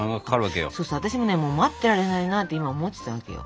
そうそう私もねもう待ってられないなって今思ってたわけよ。